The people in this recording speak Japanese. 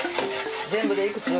全部でいくつ？